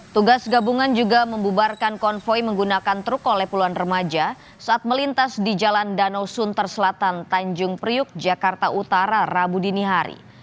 tugas gabungan juga membubarkan konvoy menggunakan truk oleh puluhan remaja saat melintas di jalan danau sunter selatan tanjung priuk jakarta utara rabu dini hari